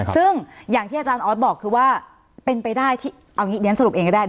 ซึ่งอย่างที่อาจารย์ออสบอกคือว่าเป็นไปได้ที่เอาอย่างนี้เดี๋ยวฉันสรุปเองก็ได้